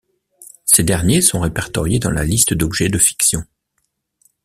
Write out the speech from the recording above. Ces derniers sont répertoriés dans la liste d'objets de fiction.